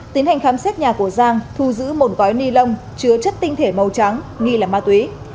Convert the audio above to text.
tiến hành khám xét nhà của giang thu giữ một gói ni lông chứa chất tinh thể màu trắng nghi là ma túy